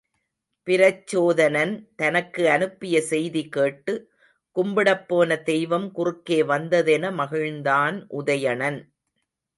பிரச்சோதனன் தனக்கு அனுப்பிய செய்தி கேட்டு, கும்பிடப்போன தெய்வம் குறுக்கே வந்ததென மகிழ்ந்தான் உதயணன்.